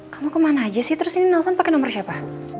kamu kemana aja sih terus ini nelfon pakai nomor siapa